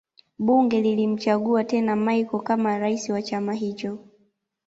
Bunge lilimchagua tena Machel kama Rais wa chama hicho